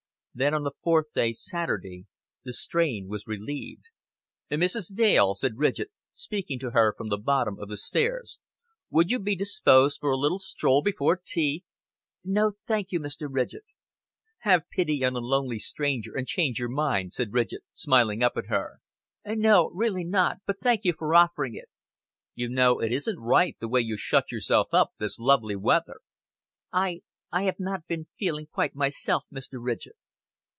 Then on the fourth day, Saturday, the strain was relieved. "Mrs. Dale," said Ridgett, speaking to her from the bottom of the stairs, "would you be disposed for a little stroll before tea?" "No, thank you, Mr. Ridgett." "Have pity on a lonely stranger, and change your mind," said Mr. Ridgett, smiling up at her. "No, really not but thank you for offering it." "You know, it isn't right the way you shut yourself up this lovely weather." "I I have not been feeling quite myself, Mr. Ridgett."